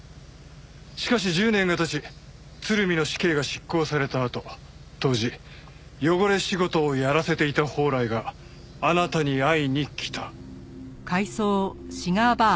しかし１０年が経ち鶴見の死刑が執行されたあと当時汚れ仕事をやらせていた宝来があなたに会いに来た。